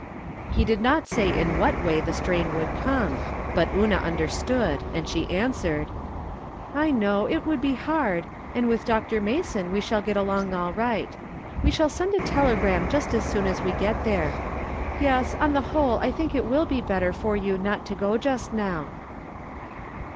He did not say in what way the strain would come, but Una understood, and she answered :" I know, it would be hard, and with Dr. Ma son we shall get along all right. We will send a telegram just as soon as we get there. Yes, on the whole, I tliink that it will be better for you not to go just now."